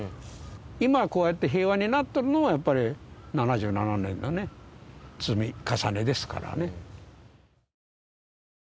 今、こうやって平和になっとるのは、やっぱり７７年のね、積み重ねですからね。